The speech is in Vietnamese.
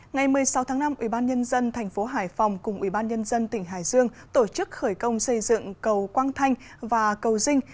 ngày một mươi sáu tháng năm ubnd tp hải phòng cùng ubnd tỉnh hải dương tổ chức khởi công xây dựng cầu quang thanh và cầu dinh